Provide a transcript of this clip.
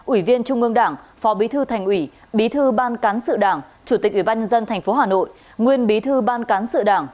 ủy viên trung ương đảng phó bí thư thành ủy bí thư ban cán sự đảng chủ tịch ủy ban nhân dân tp hà nội nguyên bí thư ban cán sự đảng